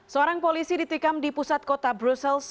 seorang polisi ditikam di pusat kota brussels